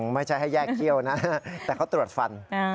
ไม่ใช่ให้แยกเขี้ยวนะแต่เขาตรวจฟัน